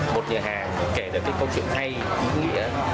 một nhà hàng kể được cái câu chuyện hay ý nghĩa